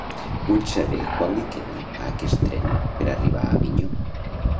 Vull saber quant li queda a aquest tren per arribar a Avinyó.